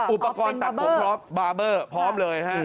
อุปกรณ์ตัดผมพร้อมพร้อมเลยฮะ